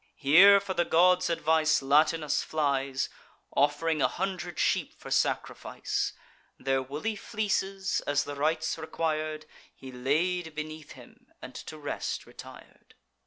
Here, for the gods' advice, Latinus flies, Off'ring a hundred sheep for sacrifice: Their woolly fleeces, as the rites requir'd, He laid beneath him, and to rest retir'd.